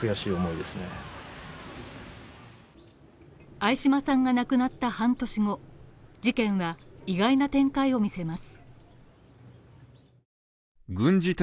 相嶋さんが亡くなった半年後、事件は意外な展開を見せます。